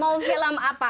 mau film apa